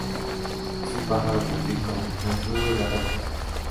Es un pájaro con pico ganchudo y garras fuertes.